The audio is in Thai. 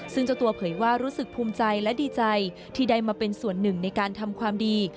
ซึ่งเจ้าตัวเผยว่ารู้สึกภูมิใจและดีใจที่ได้มาเป็นส่วนหนึ่งในการทำความดี